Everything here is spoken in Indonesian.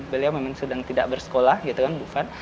beliau memang sedang tidak bersekolah gitu kan bukan